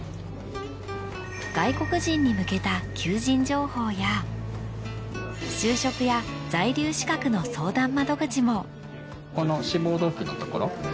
外国人に向けた求人情報や就職や在留資格の相談窓口も。